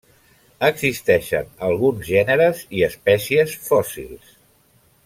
Existeixen alguns gèneres i espècies fòssils.